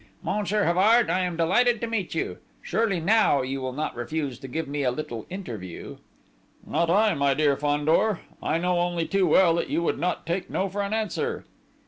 "Monsieur Havard, I am delighted to meet you!... Surely now, you will not refuse me a little interview?" "Not I, my dear Fandor! I know only too well that you would not take 'no' for an answer."